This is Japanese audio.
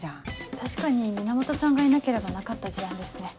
確かに源さんがいなければなかった事案ですね。